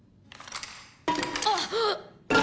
あっ！